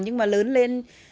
nhưng mà lớn lên